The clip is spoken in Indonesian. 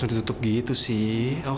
beda rabbits sih